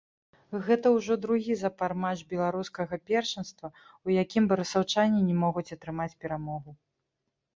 Гэта ўжо другі запар матч беларускага першынства, у якім барысаўчане не могуць атрымаць перамогу.